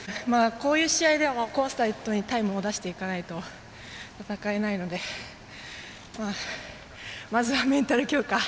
こういう試合でもコンスタントにタイムを出していかないと戦えないのでまずはメンタル強化。